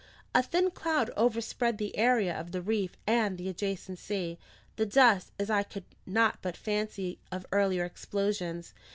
A thin cloud overspread the area of the reef and the adjacent sea the dust, as I could not but fancy, of earlier explosions.